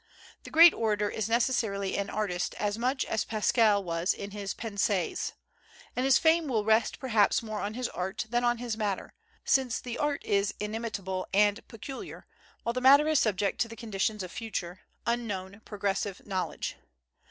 The great orator is necessarily an artist as much as Pascal was in his Pensées; and his fame will rest perhaps more on his art than on his matter, since the art is inimitable and peculiar, while the matter is subject to the conditions of future, unknown, progressive knowledge.